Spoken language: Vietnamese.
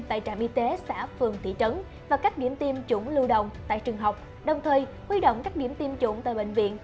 tại trạm y tế xã phường thị trấn